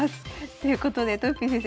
ということでとよぴー先生